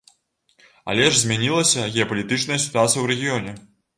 Але ж змянілася геапалітычная сітуацыя ў рэгіёне.